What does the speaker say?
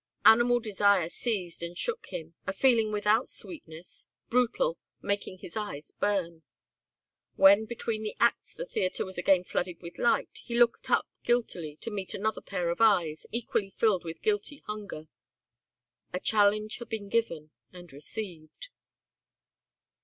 Animal desire seized and shook him, a feeling without sweetness, brutal, making his eyes burn. When between the acts the theatre was again flooded with light he looked up guiltily to meet another pair of eyes equally filled with guilty hunger. A challenge had been given and received.